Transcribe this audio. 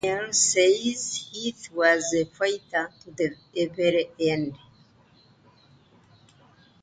Danielle says Heath was a fighter to the very end.